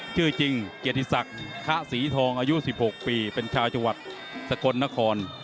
ชื่อจริงเกียรติศักดิ์คะศรีทองอายุ๑๖ปีเป็นชาวจังหวัดสกลนคร